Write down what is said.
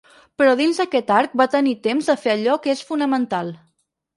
Però dins d’aquest arc va tenir temps de fer allò que és fonamental.